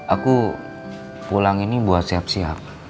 aku pulang ini buat siap siap